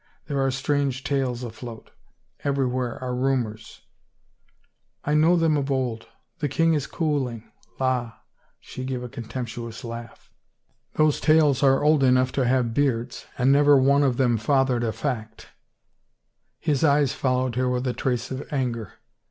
There are strange tales afloat. Everywhere are rumors —"" I know them of old. The king is cooling — la I " she gave a contemptuous laugh. "Those tales are old 3" THE FAVOR OF KINGS enough to have beards. And never one of them fathered a fact." His eyes followed her with a trace of anger.